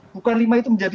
bukan lima itu menjadi satu